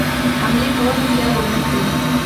حملې کولو خیال ونه کړي.